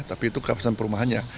tapi itu kawasan perumahannya